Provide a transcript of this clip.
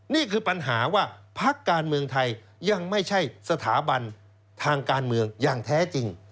นี่คือปัญหาว่าพักการเมืองไทยยังไม่ใช่สถาบันทางการเมืองอย่างแท้จริง